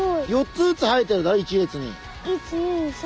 ４つずつ生えてるだろ一列に。